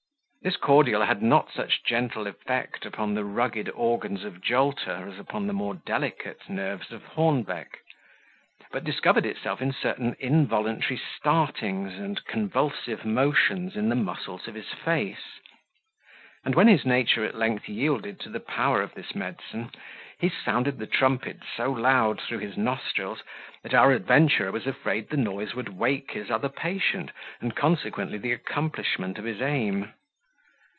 This cordial had not such gentle effect upon the rugged organs of Jolter as upon the more delicate nerves of Hornbeck; but discovered itself in certain involuntary startings, and convulsive motions in the muscles of his face; and when his nature at length yielded to the power of this medicine, he sounded the trumpet so loud through his nostrils, that our adventurer was afraid the noise would wake his other patient, and consequently the accomplishment of his aim.